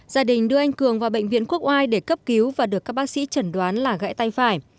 gia đình đưa anh cường vào bệnh viện quốc oai để cấp cứu và được các bác sĩ chẩn đoán là gãy tay phải